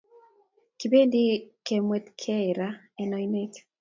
Kibendi kemwet kee raaa en oinet